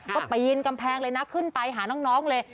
ก็ปีนกำแพงเลยนะขึ้นไปหาน้องเลย